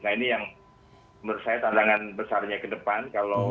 nah ini yang menurut saya tantangan besarnya ke depan